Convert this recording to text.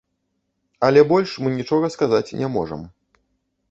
Але больш мы нічога сказаць не можам.